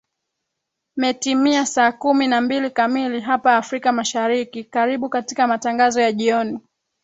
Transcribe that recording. metimia saa kumi na mbili kamili hapa afrika mashariki karibu katika matangazo ya jioni